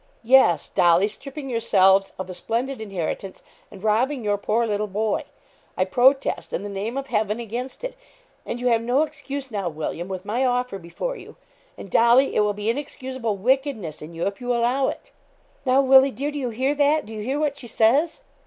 'Yes, Dolly, stripping yourselves of a splendid inheritance, and robbing your poor little boy. I protest, in the name of Heaven, against it, and you have no excuse now, William, with my offer before you; and, Dolly, it will be inexcusable wickedness in you, if you allow it.' 'Now, Willie dear, do you hear that do you hear what she says?'